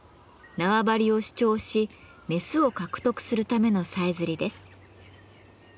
縄張りを主張しメスを獲得するためのさえずりです。